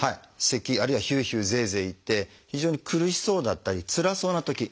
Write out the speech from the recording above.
せきあるいはヒューヒューゼーゼーいって非常に苦しそうだったりつらそうなとき。